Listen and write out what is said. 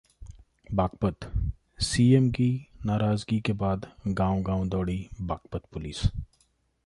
Baghpat: CM की नाराजगी के बाद गांव-गांव दौड़ी बागपत पुलिस